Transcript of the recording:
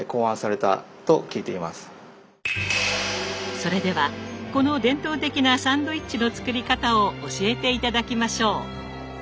それではこの伝統的なサンドイッチの作り方を教えて頂きましょう！